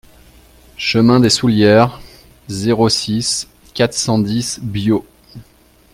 Chemin des Soullieres, zéro six, quatre cent dix Biot